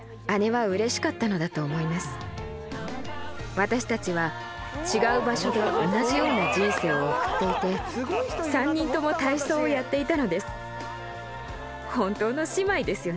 私たちは違う場所で同じような人生を送っていて３人とも体操をやっていたのです。